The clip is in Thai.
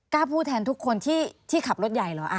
กล้าพูดแทนทุกคนที่ขับรถใหญ่เหรอ